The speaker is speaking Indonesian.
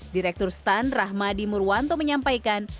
direktur stand rahmadi murwanto menyampaikan